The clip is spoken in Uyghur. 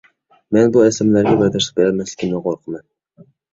مەن بۇ ئەسلىمىلەرگە بەرداشلىق بېرەلمەسلىكىمدىن قورقىمەن.